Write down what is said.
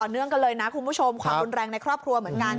เนื่องกันเลยนะคุณผู้ชมความรุนแรงในครอบครัวเหมือนกัน